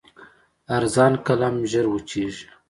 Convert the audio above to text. ارزان قلم ژر وچېږي.